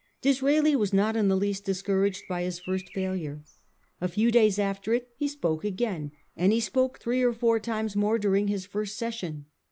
Disraeli was not in the least discouraged by hia first failure. A few days after it he spoke again, and he spoke three or four times more during his first session.